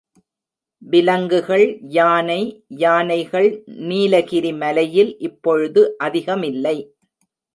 விலங்குகள் யானை யானைகள் நீலகிரி மலையில் இப்பொழுது அதிகமில்லை.